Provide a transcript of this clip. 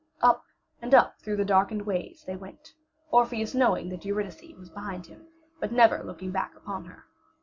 Up and up through the darkened ways they went, Orpheus knowing, that Eurydice was behind him, but never looking back upon her.